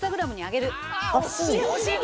惜しい！